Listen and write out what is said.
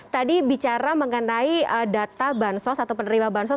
tadi bicara mengenai data bansos atau penerima bansos